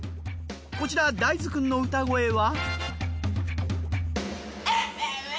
こちら大豆くんの歌声は。